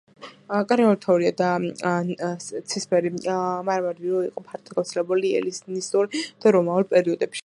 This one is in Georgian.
კარიული თეთრი და ცისფერი მარმარილო იყო ფართოდ გავრცელებული ელინისტურ და რომაულ პერიოდებში.